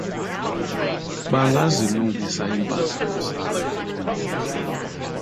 They can fix their mistake